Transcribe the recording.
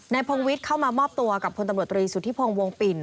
พงวิทย์เข้ามามอบตัวกับพลตำรวจตรีสุธิพงศ์วงปิ่น